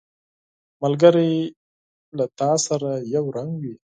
ملګری له تا سره یو رنګ وي